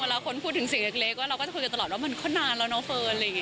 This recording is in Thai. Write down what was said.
เวลาคนพูดถึงสิ่งเล็กว่าเราก็จะคุยกันตลอดว่ามันก็นานแล้วเนอะเฟิร์น